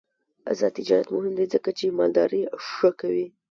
آزاد تجارت مهم دی ځکه چې مالداري ښه کوي.